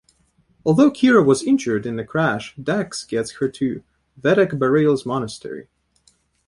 Although Kira was injured in the crash, Dax gets her to Vedek Bareil's monastery.